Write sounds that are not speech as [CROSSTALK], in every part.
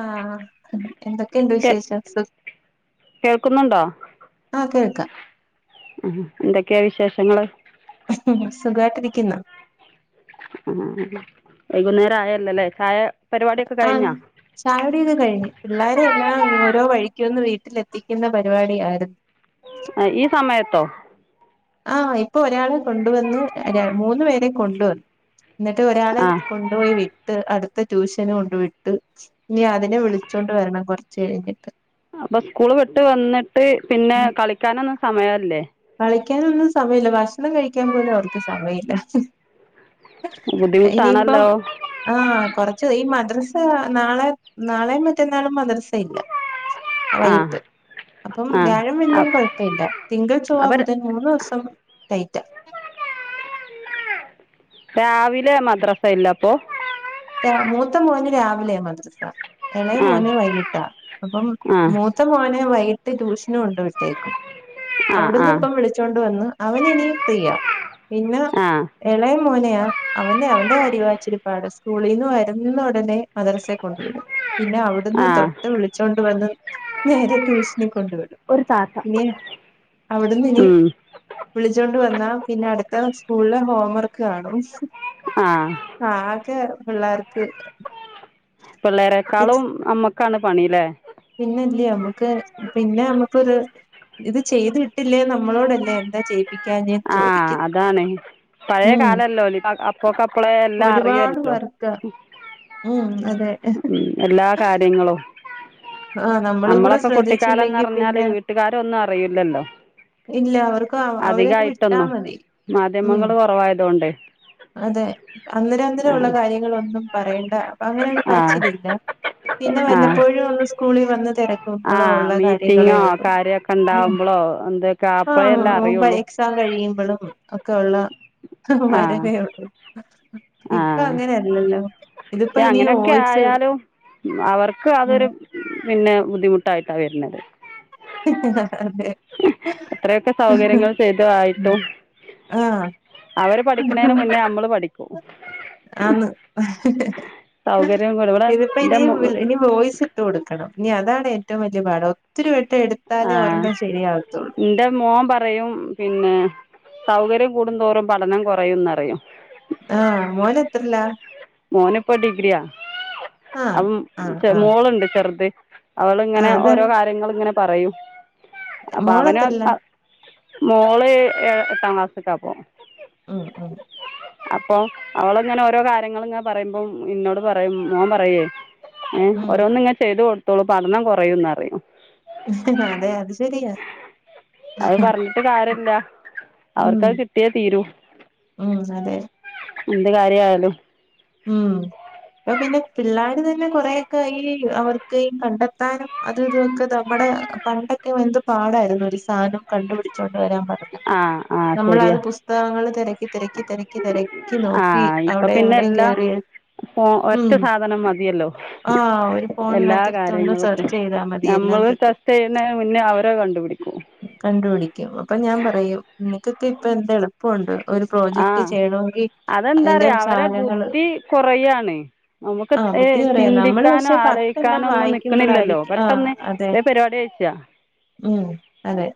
ആ എന്തൊക്കെയുണ്ട് കേ വിശേഷം സുഖ കേൾക്കുന്നുണ്ടോ ആ ആഹ് കേൾക്കാം എന്തൊ ക്കെയാ വിശേഷങ്ങള്? സുഖമായിട്ടിരിക്കുന്നു. ആഹ് വൈകുന്നേരം ആയല്ലോല്ലേ ചായ പരിപാടിയൊക്കെ ആഹ് കഴിഞ്ഞോ ചായ കൂടി ഒക്കെ കഴിഞ്ഞ് പിള്ളാരെ എല്ലാം ഇനി ഓരോ വഴിക്ക് ഒന്ന് വീട്ട് ട്ടിലെത്തിക്കുന്ന പരിപാടി ആരുന്നു ആ ഈ സമയത്തോ ആഹ് ഇപ്പൊ ഒരാളെ കൊണ്ടുവന്ന് ര മൂന്നു പേരെ കൊണ്ടുവന്ന് എന്നിട്ട് ഒരാളെ ആഹ് കൊണ്ടുപോയി വിട്ട് അടുത് ഇപ്പോ ട്യൂഷന് കൊണ്ട് വിട്ട് ഇനി അതിനെ വിളിച്ചോണ്ട് വരണം കൊറച് ശരി അപ്പൊ സ്കൂള് വിട്ട് വന്നിട്ട് പിന്നെ ഉം കളിക്കാനാന്ന സമയം അല്ലേ കളിക്കാനൊന്നും സമയമില്ല ഭക്ഷണം കഴിക്കാൻ പോലും അവർക്ക് സമയമില്ല ഇനിയിപ്പം ബുദ്ധിമുട്ടാണല്ലോ ആഹ് കൊറച്ച് ഈ മദ്രസ നാളെ നാളേം മറ്റന്നാളും മദ്രസ ഇല്ല ആ ആഹ് വൈകിട്ട് അപ്പം വ്യാഴം വെള്ളീം ആഹ് കൊഴപ്പമില്ല തിങ്കൾ ചൊ ങ്കൾ, ചൊവ്വ, അപ്പൊ ബുധൻ മുന്ന് ദിവസം ടൈറ്റാ രാവിലെ മദ്രസ ഇല്ല അപ്പൊ മൂത്ത മോന് രാവിലെയ മദ്രസ ഇളയ ആഹ് മോനെ വൈകിട്ടാ അപ്പം ആഹ് മൂത്ത മോനെ വൈ കിട്ട് ട്യൂഷന് കൊണ്ടു വിട്ടേക്കും അവിടുന്ന് ആഹ് ഇപ്പം വിളിച്ചോണ്ട് വന്ന് അവന് ഇനി ഫ്രീയാ പിന്നെ ആഹ് ആഹ് ഇളയ മോനെയാ അവനെ അവന്റെ കാര്യമാ ഇച്ചിരി പാട് സ്കൂളിൽ നിന്ന് വരുന്ന ഉടനെ മദരസെ കൊണ്ടു വിടും പിന്നെ അവിടുന്ന് ആഹ് തൊട്ട് വിളിച്ചോണ്ട് വന്ന് നേരെ ട്യൂഷനിൽ കൊണ്ടുവിടും ഒരു താത്ത ഇനി അവിടുന്ന് ഇനി ഉം വിളിച്ചോണ്ട് വന്നാ പിന്നെ അടുത്തത് സ്കൂളിലെ ഹോം വർക്ക് കാണും ആഹ് ആഹ് ക്ക് പിള്ളാർക്ക് പിള്ളാരേക്കാളും അമ്മ ക്കാണ് പണി ല്ലേ പിന്നല്ലേ നമുക്ക് പിന്നെ നമുക്കൊരു ഇത് ചെയ്ത്ട്ടില്ലേ നമ്മളോടല്ലേ എന്താ ചെയ്യിപ്പിക്കാഞ്ഞേ ആഹ് അതാണ് പഴയ കാലം അല്ലോല് ഇപ്പൊ അപ്പൊക്കപ്പളേ എല്ലാം ഒരുപാട് അറിയുവല്ലോ പേർക്ക് ഉം അതെ ഉം എല്ലാ കാര്യങ്ങളും ആ നമ്മളും കൂടെ നമ്മളൊക്കെ കുട്ടിക്കാലം എന്നു ശ്രദ്ധിച്ചില്ലെങ്കി പറഞ്ഞാല് പിന്നെ വീട്ടുകാർ ഒന്നും അറിയില്ലല്ലോ ഇല്ല അവർ അവരെ അങ്ങ് വിട്ടാ അധികായിട്ടൊന്നും മതി ഉം മാധ്യമങ്ങള് കുറവായതുകൊണ്ട് അതെ അന്നരം അന്നരം ഉള്ള ആഹ് കാര്യങ്ങളൊന്നും പറയേണ്ട അങ്ങനെ ഒരു ആഹ് പറച്ചിലില്ല പിന്നെ ആഹ് വല്ലപ്പോഴും ഒന്ന് സു കുളി വന്നത് ആഹ് മീറ്റിങ്ങോ കാര്യം ഒക്കെ ഉം ഇണ്ടാവുമ്പോളോ എന്തൊക്കെ അപ്പഴേല്ലേ ആ അറിയുള്ളൂ എക്സാം [UNINTELLIGIBLE] ഒക്കെ ഉള്ള ആഹ് [UNINTELLIGIBLE] ഇപ്പോ ആഹ് അങ്ങനെ അല്ലല്ലോ ഇതിപ്പോ പക്ഷെ ഇനി അങ്ങനെയൊക്കെ [UNINTELLIGIBLE] ആയാലും അവർക്ക് ഉം അതൊരു പിന്നെ ബുദ്ധിമുട്ടായിട്ടാ വരുന്നത് അതെ അത്രയൊക്കെ സൗകര്യങ്ങൾ ചെയ്തു ആയിട്ടും ആഹ് അവർ പഠിക്കണതിന് മുന്നേ നമ്മൾ പഠിക്കും ആന്ന് സൗകര്യം ഇവിടെ ഇതിപ്പോ എൻ്റെ ഇനി ഇനി വോയ്സ് ഇട്ട് കൊടുക്കണം ഇനി അതാണ് ഏറ്റവും വലിയ പാഠം ഒത്തിരി വെ ആഹ് എന്റെ മോൻ പറയും പിന്നെ സൗകര്യം കൂടും തോറും പഠനം കുറയും എന്ന് പറയും ആഹ് മോൻ എത്രയിലാ മോനിപ്പോ ഡിഗ്രിയാ ആഹ് അപ്പം ആഹ് ആഹ് മോളുണ്ട് ചെറുത് അവൾ ഇങ്ങനെ ആഹ് അതാ ഓരോ കാര്യങ്ങളിങ്ങനെ പറയൂ മോള് എത്രയിലാ മോള് എട്ടാം ക്ലാസ്സിക്കാപ്പം ഉം ഉം അപ്പൊ അവളിങ്ങനെ ഓരോ കാര്യങ്ങൾ ഇങ്ങ പറയുമ്പം ഇന്നോട് പറയും മോൻ പറയുവേ ഉം ഓരോന്ന് ഇങ്ങനെ ചെയ്ത് കൊ ഇതൊള്ളൂ പഠനം കുറയുന്നറിയാം അതെ അത് ശെരിയാ അത് പറഞ്ഞിട്ട് കാര്യമില്ല ഉം അവർക്കത് കിട്ടിയേ തീരൂ ഉം അതെ എന്ത് കാര്യം ആയാലും ഉം ഇപ്പോ പിന്നെ പിള്ളാര് തന്നെ കൊറെയൊക്കെ ഈ അവർക്ക് കണ്ടെത്താനും അതും ഇതുമൊക്കെ നമ്മുടെ പണ്ടൊക്കെ എന്ത് പാടായിരുന്നു ഒരു സാധനം കണ്ടുപിടിച്ചോണ്ട് കൊണ്ട് വരാൻ പറഞ്ഞാ ആ ആ നമ്മള് ശരിയാ അത് പുസ്തകങ്ങൾ തെരക്കി തെരക്കി തെരക്കി തെരക്കി നോക്കി അവിടെ എവിടെയും എല്ലാ കേറി ഒറ്റ ഉം സാധനം മതിയല്ലോ ആഹ് ഒരു എല്ലാ ഫോണിനകത്തെടുത്ത് ഒന്ന് കാര്യങ്ങൾക്കും സെർച്ച് ചെയ്താ മതി എല്ലാം നമ്മള് കിട്ടും. ടെസ്റ്റ് ചെയ്യുന്നേന് മുന്നേ അവരത് കണ്ടുപിടിക്കും കണ്ടുപിടിക്കും അപ്പൊ ഞാൻ പറയും നിനക്കൊക്കെ ഇപ്പ എന്ത് എളുപ്പമുണ്ട് ഒരു പ്രോജക്ട് ആഹ് ചെയ്യണമെങ്കി അതിന്റെ അതെന്താറിയോ അവരെ സാധനങ്ങള് ബുദ്ധി കുറയാണേ നമുക്ക് ആഹ് ബുദ്ധി പറയാ നമ്മള് ചിന്തിക്കാനോ പക്ഷെ പത്തെണ്ണം ആലോചിക്കാനോ ഒന്നും നിക്കണില്ലല്ലോ വായിക്കുമ്പളായിരിക്കും ആഹ് പെട്ടെന്ന് അതെ വേഗം പരിപാടി കഴിക്ക ഉം അതെ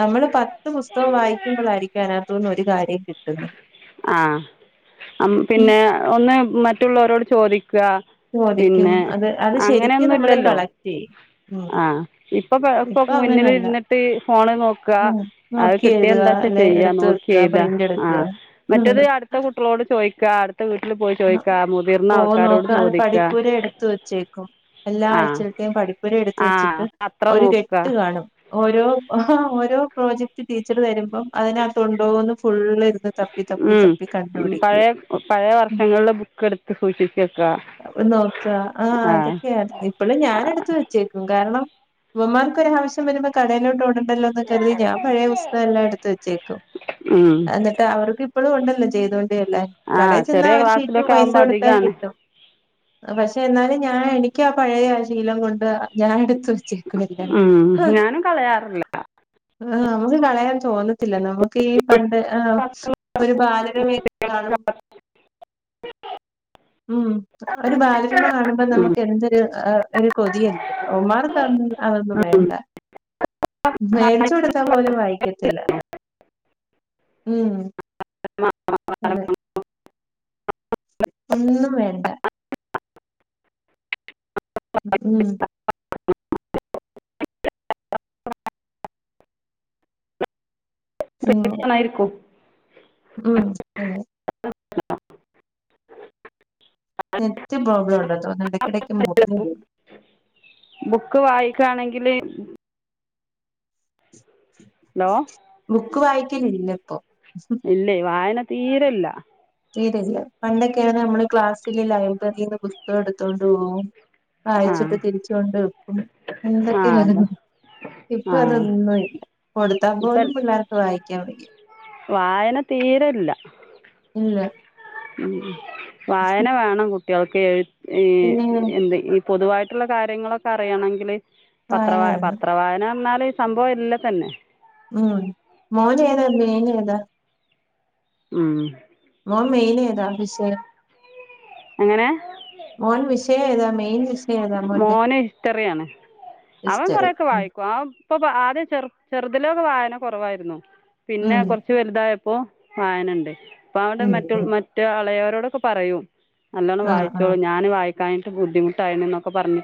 നമ്മള് പത്ത് പുസ്തകം വായിക്കുമ്പോളായിരിക്കും അതിനക ത്തൂന്ന് ഒരു കാര്യം കിട്ടുന്നത് ആ പിന്നെ ഒന്ന് മ മറ്റുള്ളവരോട് ചോദി ചോദിക്കും അത് അത് ശെരിക്കും അങ്ങനെയൊന്നും നമ്മള് ഇല്ലല്ലോ കളക്റ്റ് ചെയ്യും ഉം ഇപ്പോ പ്പൊ ഇപ്പൊ മുന്നിൽ അങ്ങനെയല്ല ഇരുന്നിട്ട് ഫോണ് നോക്കുക ഉം അത് നോക്കി കിട്ടിയ എഴുതുക എന്താച്ചാ അല്ലെ ചെയ്യാ എടുത്ത് നോക്കി വെക്കുക എഴുതാ പ്രിന്റ് എടുക്കുക ആഹ് മറ്റേത് അടുത്ത കുട്ടികളോട് ചോദിക്കാ അടുത്ത വീട്ടിൽ പോയി ചോദിക്കാ മുതിർന്ന പോ ആൾക്കാരോട് നോക്ക അത് ചോദിക്കാ പഠിപ്പുര എടുത്ത് വെച്ചേക്കും. എല്ലാ ആ ആഴ്ചയിലത്തെയും പഠിപ്പുര എടുത്ത് ആ വെച്ചിട്ട് അത്ര ഒരു കെട്ട് കാണും ഓരോ ഓരോ പ്രോജക്ട് ടീച്ചർ തരുമ്പോം അതിനാത്തുണ്ടോന്ന് ഫു ള്ള് ഇരുന്ന് തപ്പി തപ്പി തപ്പി കണ്ടുപിടിക്കും പഴയ പഴയ വർഷങ്ങളിലെ ബുക്ക് എടുത്ത് സൂക്ഷിച്ച് വെക്കുക അത് നോക്കാ ആ ഇതൊക്കെയായിരുന്നു ഇപ്പളും ഞാനെടുത്ത് വെച്ചേക്കും കാരണം ഇവന്മാർക്ക് ഒരാവശ്യം വരുമ്പോൾ കടയിലോട്ട് ഓട ണ്ടല്ലോന്ന് കരുതി ഞാൻ പഴയ പുസ്തകം എല്ലാം എടുത്ത് വച്ചേക്കും എന്നിട്ട് അവർക്ക് ഇപ്പോളും ഉണ്ടല്ലോ ചെയ് അല്ലേ ആ കടയിൽ ചെന്നാ ചെറിയ ഒരു ഷീറ്റ് ക്ലാസ്സിലൊക്കെ പൈസ ആവുമ്പോൾ കൊടുത്താ അധികമാണ് കിട്ടും. പക്ഷേ എന്നാലും ഞാൻ എനിക്ക് ആ പഴയ ആ ശീലം കൊണ്ട് ഞാൻ എടുത്തു വെച്ചേ മ് ഞാനും കളയാറില്ല ആ നമുക്ക് കളയാൻ തോന്നത്തില്ല നമുക്ക് ഈ പണ്ട് ഏ ഒരു ബാലരമ ഒക്കെ കാണു ഉം ഒരു ബാലരമ കാണുമ്പോ ഉം നമുക്ക് എന്തൊരു ആ ഒരു കൊതിയല്ലേ ഇവന്മാർക്ക് അതൊന്നും അതൊന്നും ഉം വേണ്ട മേടിച്ചു കൊടുത്താൽ പോലും വായിക്കത്തില്ല മ് അതെ ഒന്നും വേണ്ട മ് പിന്നെ പെണ്ണുങ്ങളായിരിക്കും ഉം അതെ നെറ്റ് പ്രോബ്ലോംണ്ട് തോന്നുണ്ട് ഇടക്ക് മുറിഞ്ഞ് പോകുന്നു ബുക്ക് വായിക്കാണെങ്കില് ഹലോ ബുക്ക് വായി റ്റില്ല ഇപ്പൊ ഇല്ലേ വായന തീരല്ല തീരെയില്ലാ പണ്ടൊക്കെയാന്ന് നമ്മള് ക്ലാസ്സില് ലൈബ്രറീന്ന് പുസ്കം എടുത്തോണ്ട് പോവും ആ വായിച്ചിട്ട് തിരിച്ച്കൊണ്ട് വെക്കും. ആ എന്തൊക്കെ അതെ കഥകൾ ഇപ്പൊ ആ അതൊന്നുല്ല കൊടുത്താ ഇപ്പം പോലും പിള്ളേർക്ക് വായിക്കാൻ വയ്യാ വായന തീരെല്ല ഇല്ല ഉം ഉം വായന വാണം കു [UNINTELLIGIBLE] ഏ പിന്നെ എന്തെങ്കി പൊതുവായിട്ടുള്ള കാര്യങ്ങളൊക്കെ അറിയണെങ്കില് വായന പത്രവാ വേണം പത്ര വായന അറിഞ്ഞാല് സംഭവം ഇല്ല തന്നെ ഉം മോന് ഏതാ മീനേ ഏതാ ഉം മോ മെയ്ന് ഏതാ വിഷ എങ്ങനെ മോൻ വിഷ ഏതാ മെയിൻ വിഷ മോന് ഹിസ്റ്ററിയാണ് അവൻ ഹിസ്റ്ററി കൊറെക്കെ ഉം വായിക്കും അവ ഇപ്പൊ ആദ്യ ചെറു ചെറുതിലൊക്കെ വായന കോറവായിരുന്നു പിന്നെ ഉം കോറച്ച് വലുതായ പ്പൊ വായന്ണ്ട് [UNINTELLIGIBLE] ഉം ക്കെ പറയും നല്ലോണ്ണം ആഹ് വായിച്ചോളൂ ആഹ് ഞാന് വായി കായ്ട്ട് ബുദ്ധിമുട്ടായിനോ പ്പ പറഞ്ഞു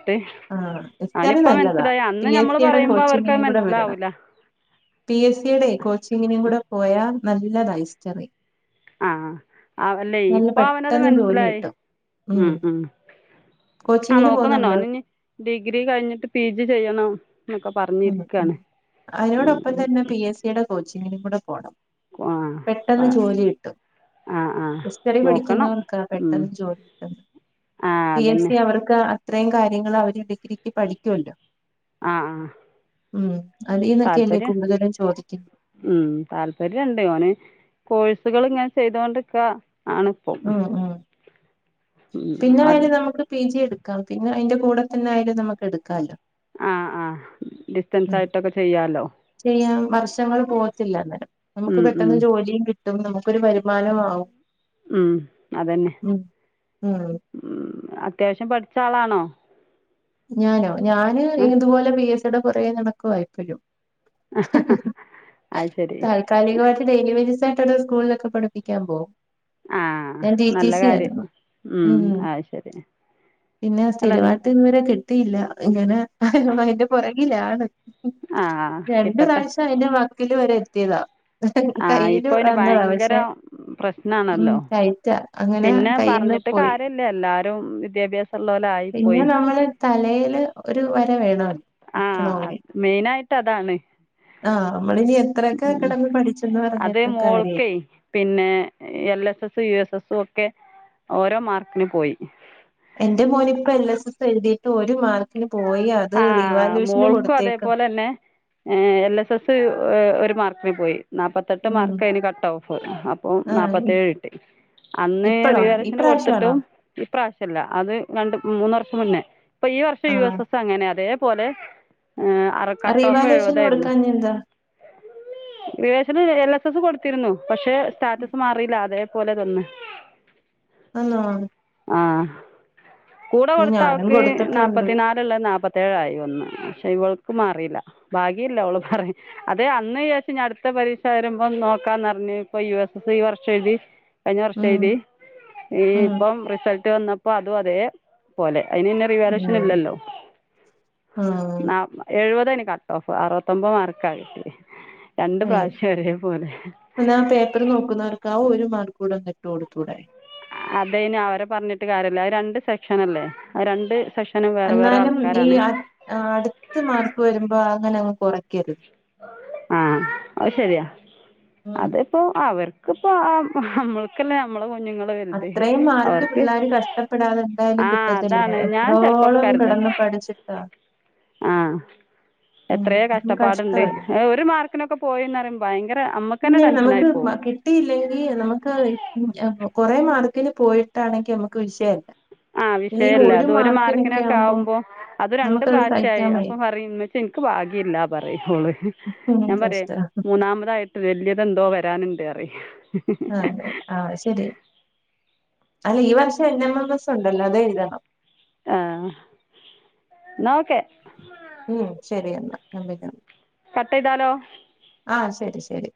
ആ ഹിസ്റ്ററി നല്ലതാ അന്ന് പി ഞമ്മള് എസിയുടെ പറയുമ്പോ അവർക്കത് കോച്ചിങ്ങിനും കൂടെ വിടണം മനസ്സിലാവൂല പി എസിയുടെ കോച്ചിങ്ങിനും കൂടെ പോയാ നല്ല റൈസ് ചെറി ആ അവല്ലെ ഇപ്പൊ അവനത് പെട്ടെന്ന് ജോലി മനസ്സിലായി കിട്ടും ഉം ഉം ആ കോച്ചിങ്ങിന് നോക്കുന്ന്ണ്ട് പോകുന്നുണ്ടോ ഓന്ഞ് ഡിഗ്രി കഴിഞ്ഞിട്ട് പി ജി ചെയ്യണം എന്നൊക്കെ ഉം ഉം പറഞ്ഞിരിക്കാണ് അയ്നോടൊപ്പം ഉം തന്നെ പി എസിയുടെ കോച്ചി ങ്ങനിം കൂടെ പോണം ആ പെട്ടെന്ന് ജോലി കിട്ടും ആ ആ ഹിസ്റ്ററി നോക്കണം പഠിക്കുന്നവർക്കാ പെട്ടെന്ന് ജോലി കിട്ടും ആ പി അതുതന്നെ എസി അവർക്ക് ഇത്രയും കാര്യങ്ങള് അവര് ഡിഗ്രിക്ക് പഠിക്കോല്ലോ ആ ആ ഉം അതിന്നൊക്കെയല്ലേ താൽപര്യം കൂടുതലും ചോദിക്കുന്നത് ഉം താല്പര്യണ്ട് ഓന് കോഴ സുകള്ങ്ങനെ ചെയ്തോണ്ട്ക്കാ ആണ്പ്പം ഉം ഉം പിന്നെ വേണേ നമുക്ക് പി പി ജി എടുക്കാം പിന്നെ അയ്ന്റെ കൂടെ തന്നെ ആയാലും നമ്മക്ക് എടുക്കാല്ലോ ആ ആ ഡിസ്റ്റൻസ് മ് ആയിട്ടൊക്കെ ചെയ്യാമല്ലോ ചെയ്യാം വർഷങ്ങള് പോകത്തില്ല അന്നേരം നമക്ക് പെട്ടെന്ന് ജോലിയും കിട്ട ട്ടും നമുക്കൊരു വരുമാനവും ആവും ഉം അതന്നെ ഉം ഉം ഉം അത്യാവശ്യം പഠി ച്ചാളാണോ? ഞാനോ? ഞാന് ഇതുപോലെ പി എസ് സി ടെ പുറകെ നടക്കുവാ ഇപ്പഴും. അത് ശരി താൽക്കാലിക വായാട്ട് ഡെയിലി വേജസ് ആയി ട്ടടെ സ്കൂളിലൊക്കെ പഠിപ്പിക്കാൻ പോവും ആ നല്ല കാര്യം ഉം ആ ശരി അല്ലല്ല. ത്തീല്ല ഇങ്ങനെ അതിന്റെ പുറകെ കിലാണ് ഉം ആ രണ്ടു കിട്ടട്ടെ പ്രാവശ്യം അതിന്റെ വക് ക്കിൽ വരെ എത്തിയതാ ആ കയ്യില് ഇപ്പോൾ അതിന് വന്നതാ ഭയങ്കര പക്ഷെ ഉം പ്രശ്നമാണല്ലോ ടൈറ്റാ. അങ്ങനെ കയീന്ന് പോയി. ആരും വിദ്യാഭ്യാസ പിന്നെ നമ്മള് തലയില് ഒരു വര വേണല്ലോ എത്തണോങ്കി ട്ടതാണ് ആ ഉം അത് പറഞ്ഞിട്ടും മോൾക്കെ കാര്യമില്ല. പിന്നെ L S S U S എസും ഒ ക്കെ ഓരോ മാർക്ക്ന്പോയി. എന്റെ മോന് ഇപ്പ എൽ എസ് എസ് എഴുതിട്ട് ഒരു മാർക്കിനു ആ മോൾക്കും അതേപോലെ തന്നെ ഏ എൽ എസ് എസ് ഒര് മാർക്കിന് പോയി. നാപ്പത്തെട്ട് ഉം മാർക്ക് എനി കട്ട് ഓഫ് അപ്പൊ ആഹ് ഇ നാപ്പത്തേഴ് കിട്ടി അന്ന് ഇപ്പഴോ റിവാലുവേഷന് ഇപ്രാവശ്യാണോ? കൊടുത്തിട്ടും ഇപ്രാവശ്യമല്ല അത് രണ്ട് മൂന്ന് വർഷം മുന്നെ ഇപ്പ ഈ വർഷം യു ആഹ് എസ് എസ് ക്കങ്ങനെ അതേപോലെ അ അറ് ആ ആ കട്ട് ഓഫ് റീവാലുവേഷന് എഴുപതായിരുന്നു കൊടുക്കാഞ്ഞെന്താ? റിവേഷന് എല്ലാ എസ് എസ് കൊടുത്തിരുന്നു പക്ഷെ സ്റ്റാറ്റസ് മാറിയില്ല അതെ പോലെ തന്നെ ആന്നേ ആ കൂടെ കൊടുത്ത ആൾക്ക് കൊടുത്തിട്ടുണ്ട്. നാപ്പത്തി നാല് നാപ്പത്തേഴായി ഒന്ന് പക്ഷെ ഇവൾക്ക് മാറിയില്ല ഭാഗ്യല്ലഅവള് പ റിംഅതെ അന്ന് വിജാര്ച്ചുഅടുത്ത പരീക്ഷ വരുമ്പോം നോക്കാന്ന്റിഞ്ഞു ഇപ്പൊ യു എസ് എസ്ഈ വർഷം എഴുതി കഴിഞ്ഞ വർഷം ഉം എഴുതി ഈ ഉം ഇപ്പം റിസൽ റ്റ്‌ വന്നപ്പോ അതും അതേ പോലെ അതിന്ന് പിന്നെ റിവാലുവേഷൻ ഇല്ലല്ലോ ആ എഴുപതേ നി കട്ട് ഓഫ് അറുപത്തൊൻമ്പത് മാർക്കാകിട്ടിയേ അയ്യോ എന്നാ ആ പേപ്പർ നോക്കുന്നവർക്കും ഒരു മാർക്ക് കൂടെന്നിട്ട് കൊടുത്തൂടെ അത് അയ്ന് അവരെ പറഞ്ഞിട്ട് കാര്യമല്ല രണ്ട് സെക്ഷന അല്ലേ ആ രണ്ട് സെക്ഷൻ എന്നാലും ഈ അ അടുത്ത്മാർക്ക് വരുമ്പോ അങ്ങനെ കുറയ്ക്കരുത് ആഅഹ് ശരിയാ ഉം അതിപ്പോ ആവർ ക്ക് പ്പോ നമ്മൾക്കല്ലേ നമ്മള് അത്രയും മാർക്ക് പിള്ളോര് കഷ്ടപ്പെടാതെ എന്തായാലും ആ കിട്ടത്തില്ല അതാണ് ഞാൻ ചിലപ്പോഴൊക്കെ എത്രോളം കരുതും കിടന്ന് പഠിച്ചിട്ടാ ആ ഉം എത്രയോ കഷ്ടപ്പാടുണ്ട് കഷ്ടമല്ലേ ഒരു മാർക്കിനൊക്കെ പോയിന്ന് പറയുമ്പോ ഭയങ്കര നമുക്ക് തന്നെ പിന്നെ ടെൻഷനായി നമുക്ക് പോവും കിട്ടിയില്ലെങ്കിൽ നമുക്ക് കൊറ മാർക്ക് മാർക്കിന് പോയിട്ടാണെങ്കി നമ്മക്ക് ആ വിഷയമല്ല അത് ഒരു മാർക്കിനൊക്കെ ആവുമ്പോ അത് രണ്ട് നമുക്കത് പ്രാവശ്യമായി സഹിക്കാൻ അപ്പൊ വയ്യ പറയും ഉമ്മച്ചിഎനിക്ക് ഭാഗ്യല്ല പറയുംഓള് ഉം ഞാൻ കഷ്ടാ പറയുമൂന്നാമതായിട്ട് വലിയ ഇതെന്തോ വരാനുണ്ട് അറി ആ അതെ ആ ശരി അല്ല ഈ വർഷം എൻ എം എം എസ് ഉണ്ടല്ലോ? അത്എഴുതണം ആ നോക്കെ ഉം ശരി എന്നെന്നാ ഞാൻ പിന്നെ വിളി കട്ട് ചെയ്താലോ? ആ ശരി ശരി